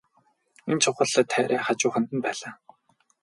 Энэ чухал тариа хажууханд нь байлаа.